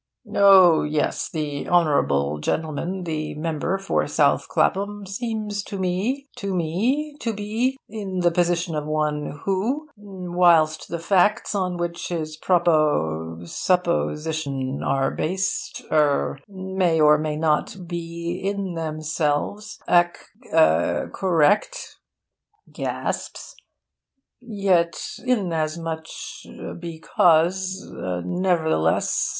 oh yes, the honourable gentleman the member for South Clapham seems to me to me to be in the position of one who, whilst the facts on which his propo supposition are based er may or may not be in themselves acc correct yet inasmuch because nevertheless...